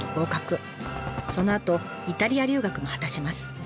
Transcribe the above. そのあとイタリア留学も果たします。